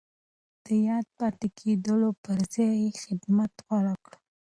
د ياد پاتې کېدو پر ځای يې خدمت غوره کړ.